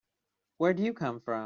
Where do you come from?